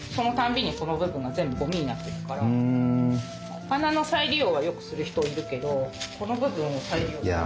お花の再利用はよくする人いるけどこの部分を再利用するっていう。